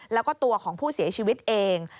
แล้วก็ตัวของผู้เสียชีวิตเอง